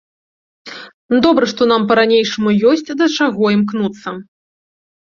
Добра, што нам па-ранейшаму ёсць да чаго імкнуцца.